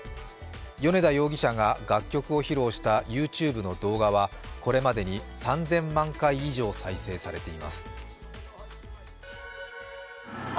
米田容疑者が楽曲を披露したＹｏｕＴｕｂｅの動画はこれまでに３０００万回以上再生されています。